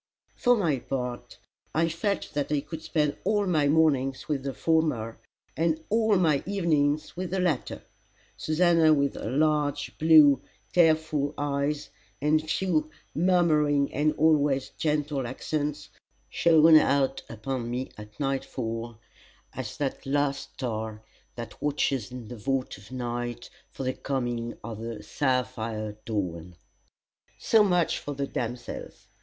For my part, I felt that I could spend all my mornings with the former, and all my evenings with the latter. Susannah with her large, blue, tearful eyes, and few, murmuring and always gentle accents, shone out upon me at nightfall as that last star that watches in the vault of night for the coming of the sapphire dawn. So much for the damsels.